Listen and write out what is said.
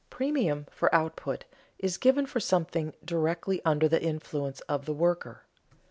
Premium for output is given for something directly under the influence of the worker.